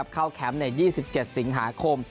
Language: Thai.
แคมป์ใน๒๗สิงหาคม